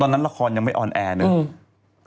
ตอนนั้นละครยังไม่ออนแอร์เลย